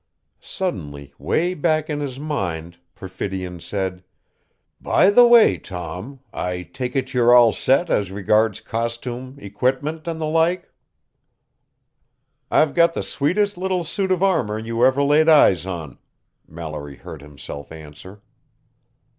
Suddenly, way back in his mind, Perfidion said, "By the way, Tom, I take it you're all set as regards costume, equipment and the like." "I've got the sweetest little suit of armor you ever laid eyes on," Mallory heard himself answer.